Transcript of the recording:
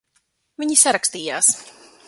Viņi sarakstījās.